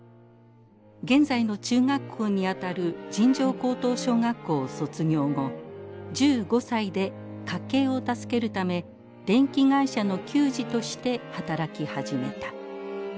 現在の中学校にあたる尋常高等小学校を卒業後１５歳で家計を助けるため電気会社の給仕として働き始めた。